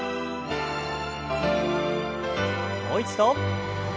もう一度。